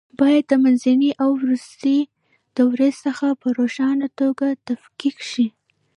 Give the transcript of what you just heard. باید د منځنۍ او وروستۍ دورې څخه په روښانه توګه تفکیک شي.